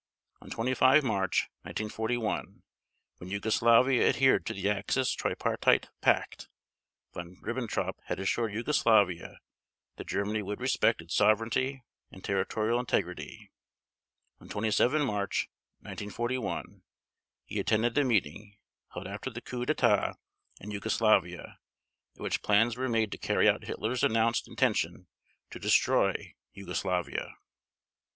On 25 March 1941, when Yugoslavia adhered to the Axis Tripartite Pact, Von Ribbentrop had assured Yugoslavia that Germany would respect its sovereignty and territorial integrity. On 27 March 1941 he attended the meeting, held after the coup d'état in Yugoslavia, at which plans were made to carry out Hitler's announced intention to destroy Yugoslavia.